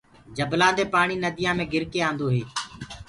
جبلآنٚ دي پآڻي ننديآنٚ مي ڪر ڪي آندو هي۔